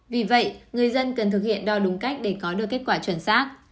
vì vậy người dân cần thực hiện đo đúng cách để có được kết quả chuẩn xác